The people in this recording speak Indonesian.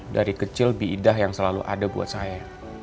dari kecil biidah yang selalu ada buat saya